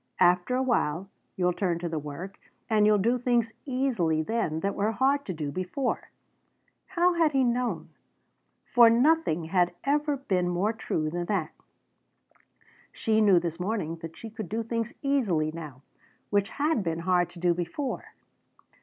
After a while you'll turn to the work, and you'll do things easily then that were hard to do before." How had he known? For nothing had ever been more true than that. She knew this morning that she could do things easily now which had been hard to do before.